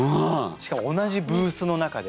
しかも同じブースの中で。